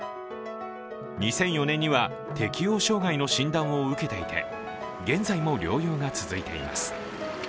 ２００４年には適応障害の診断を受けていて、現在も療養が続いています。